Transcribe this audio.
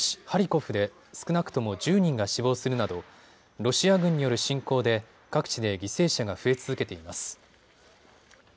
ハリコフで少なくとも１０人が死亡するなどロシア軍による侵攻で各地で犠牲者が増え続けています。